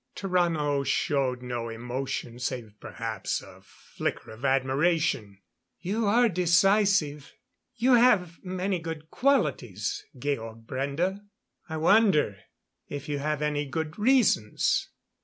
Tarrano showed no emotion, save perhaps a flicker of admiration. "You are decisive. You have many good qualities, Georg Brende. I wonder if you have any good reasons?"